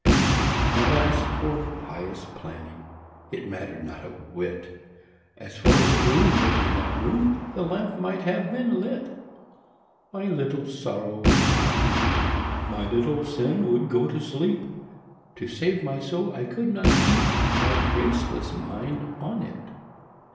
Alas for pious planning— It mattered not a whit! As far as gloom went in that room, The lamp might have been lit! My Little Sorrow would not weep, My Little Sin would go to sleep— To save my soul I could not keep My graceless mind on it!